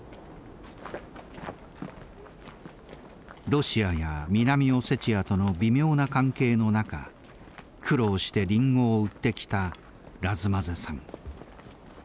ロシアや南オセチアとの微妙な関係の中苦労してリンゴを売ってきたラズマゼさん。